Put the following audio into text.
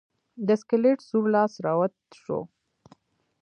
د سکلیټ سور لاس راوت شو.